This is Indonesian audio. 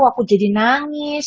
aku jadi nangis